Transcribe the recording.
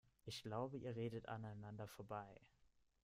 Ich glaube, ihr redet aneinander vorbei.